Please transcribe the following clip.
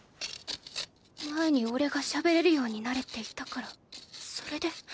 前におれが喋れるようになれって言ったからそれで？